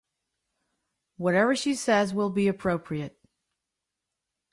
Whatever she says will be appropriate.